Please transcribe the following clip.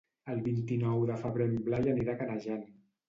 El vint-i-nou de febrer en Blai anirà a Canejan.